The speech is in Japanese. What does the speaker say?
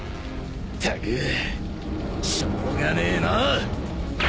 ったくしょうがねえな！